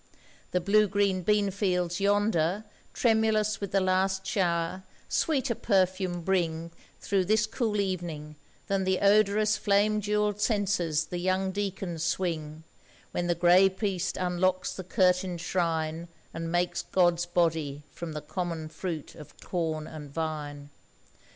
The blue green beanfields yonder, tremulous With the last shower, sweeter perfume bring Through this cool evening than the odorous Flame jewelled censers the young deacons swing, When the grey priest unlocks the curtained shrine, And makes God's body from the common fruit of corn and vine.